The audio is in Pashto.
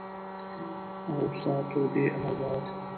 او ساتو دې آزاد